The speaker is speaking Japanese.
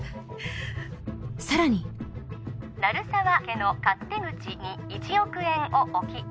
さらに鳴沢家の勝手口に１億円を置き